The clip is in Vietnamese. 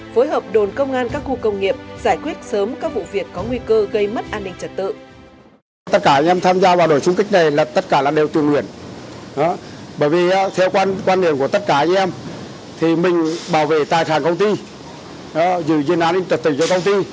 phối hợp đồn công an các khu công nghiệp giải quyết sớm các vụ việc có nguy cơ gây mất an ninh trật tự